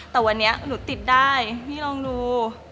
แต่วันนี้หนูติดได้พี่ลองดู